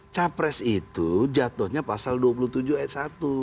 capres itu jatuhnya pasal dua puluh tujuh ayat satu